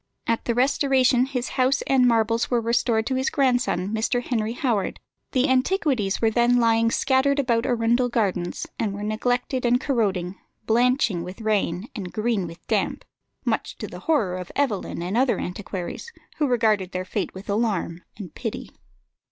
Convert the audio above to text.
At the Restoration his house and marbles were restored to his grandson, Mr. Henry Howard; the antiquities were then lying scattered about Arundel Gardens, and were neglected and corroding, blanching with rain, and green with damp, much to the horror of Evelyn and other antiquaries, who regarded their fate with alarm and pity.